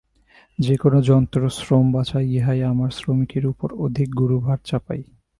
যে-কোন যন্ত্র শ্রম বাঁচায়, ইহাই আবার শ্রমিকের উপর অধিক গুরুভার চাপায়।